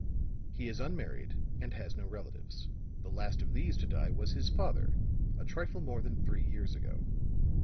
"He is unmarried and has no relatives. The last of these to die was his father a trifle more than three years ago.